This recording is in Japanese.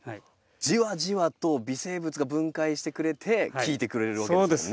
じわじわと微生物が分解してくれて効いてくれるわけですもんね。